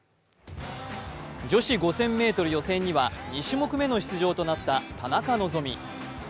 女子５０００ｍ予選では２種目目の出場となった田中希実。